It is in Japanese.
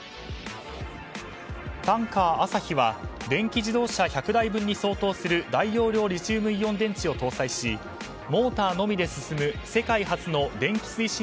タンカー「あさひ」は電気自動車１００台分に相当する大容量リチウムイオン電池を搭載しモーターのみで進む世界初の電気推進